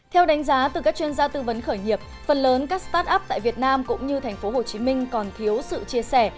theo đánh giá từ các chuyên gia tư vấn khởi nghiệp phần lớn các start up tại việt nam cũng như tp hcm còn thiếu sự chia sẻ